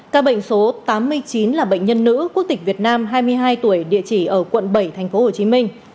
ca bệnh số tám mươi chín là bệnh nhân nữ quốc tịch việt nam hai mươi hai tuổi địa chỉ ở quận bảy thành phố hồ chí minh